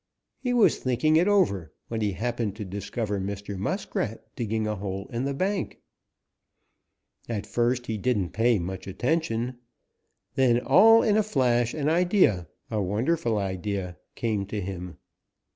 He was thinking it over when he happened to discover Mr. Muskrat digging a hole in the bank. At first he didn't pay much attention. Then all in a flash an idea, a wonderful idea, came to him.